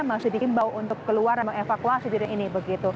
masih diimbau untuk keluar dan mevakuasi diri ini